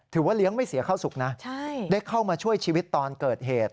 เลี้ยงไม่เสียเข้าสุขนะได้เข้ามาช่วยชีวิตตอนเกิดเหตุ